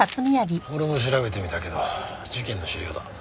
俺も調べてみたけど事件の資料だ。